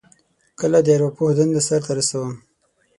کله د ارواپوه دنده سرته رسوم.